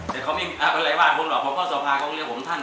แต่เขาไม่รู้ว่าอะไรบ้างผมหรอกเพราะพ่อสภาเขาก็เรียกผมท่าน